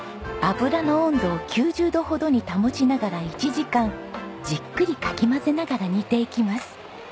油の温度を９０度ほどに保ちながら１時間じっくりかき混ぜながら煮ていきます。